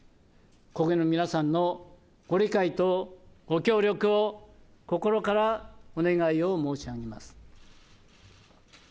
国民の皆さんのご理解とご協力を心からお願いを申し上げます。